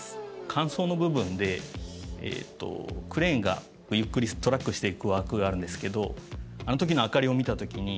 間奏の部分でクレーンがゆっくりトラックしていくワークがあるんですけどあのときの明かりを見たときにすごく。